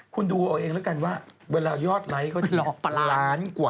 คุณดูเอาเองแล้วกันว่าเวลายอดไล่ท์ก็๒๐๑๒ป่าแล้ว